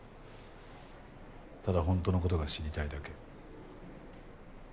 ただ本当の事が知りたいだけ。